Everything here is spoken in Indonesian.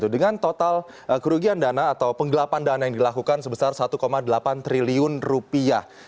dengan total kerugian dana atau penggelapan dana yang dilakukan sebesar satu delapan triliun rupiah